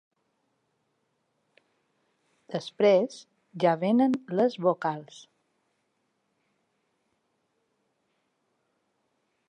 Després ja vénen les vocals.